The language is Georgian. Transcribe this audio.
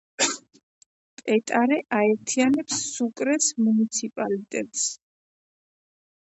პეტარე აერთიანებს სუკრეს მუნიციპალიტეტს.